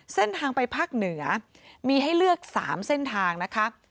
เส้นทางไปภาคเหนือมีให้เลือก๓เส้นทางนะคะ